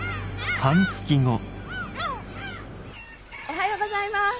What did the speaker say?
おはようございます。